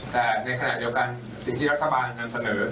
แต่ในขณะเดียวกันสิ่งที่รัฐบาลนำเสนอ